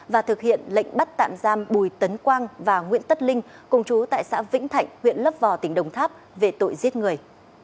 và thực hiện lệnh bắt tạm giam bùi tấn quang và nguyễn tất linh cùng chú tại xã vĩnh thạnh huyện lấp vò tỉnh đồng tháp về tội giết người